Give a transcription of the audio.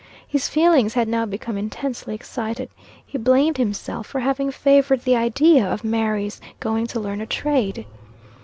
His feelings had now become intensely excited. He blamed himself for having favored the idea of Mary's going to learn a trade.